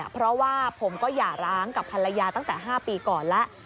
เพราะว่าผมก็หย่าร้างกับภรรยาตั้งแต่๕ปีก่อนแล้ว